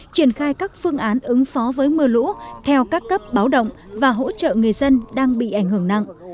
triển khai các phương án ứng phó với mưa lũ theo các cấp báo động và hỗ trợ người dân đang bị ảnh hưởng nặng